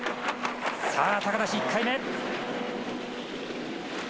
さあ、高梨、１回目。